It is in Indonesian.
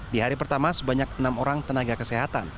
di hari pertama sebanyak enam orang tenaga kesehatan